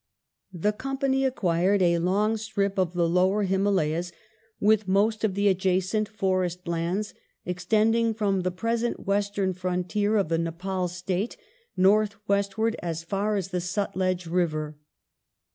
The Company acquired "a long strip of the lower Himalayas, with most of the adjacent forest lands extending from the present Western Frontier of the Nepal State north westward as far as the Sutlej river